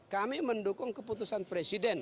kami mendukung keputusan presiden